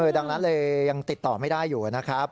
ดังนั้นเลยยังติดต่อไม่ได้อยู่นะครับ